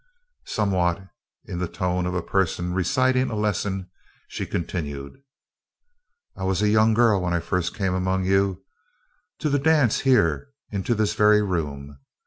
Somewhat in the tone of a person reciting a lesson she continued: "I was a young girl when I first came among you to the dance here, into this very room.